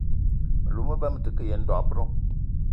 Me lou me ba me te ke yen dob-ro